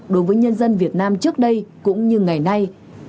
đối với nhân dân việt nam trước đây cũng như ngày nay